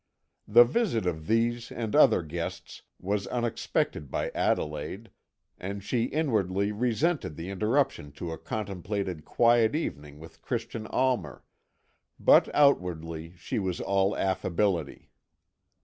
The visit of these and other guests was unexpected by Adelaide, and she inwardly resented the interruption to a contemplated quiet evening with Christian Almer; but outwardly she was all affability.